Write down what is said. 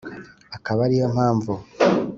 Akaba ari yo mpamvu